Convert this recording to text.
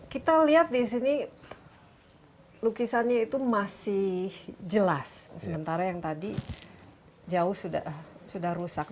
kita lihat di sini lukisannya itu masih jelas sementara yang tadi jauh sudah rusak